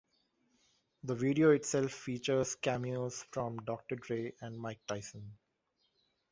The video itself features cameos from Doctor Dre and Mike Tyson.